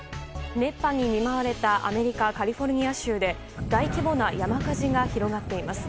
熱波に見舞われたアメリカ・カリフォルニア州で大規模な山火事が広がっています。